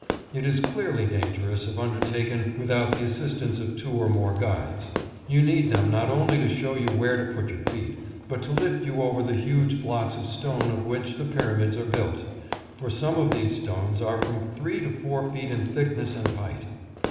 It is clearly dangerous if undertaken without the assistance of two or more guides. You need them not only to show you where to put your feet, but to lift you over the huge blocks of stone of which the Pyramids are built, for some of these stones are from three to four feet in thickness and height.